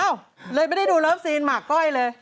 เลยไม่ได้ดูเลิฟซีนหมากก้อยเลย